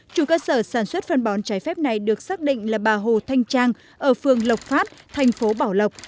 chủ cơ sở sản xuất phân bón trái phép này được xác định là bà hồ thanh trang ở phương lộc phát thành phố bảo lộc